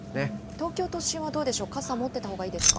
東京都心はどうでしょう、傘持ってたほうがいいですか。